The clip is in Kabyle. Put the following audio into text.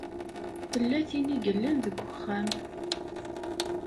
Tella tin i yellan deg uxxam.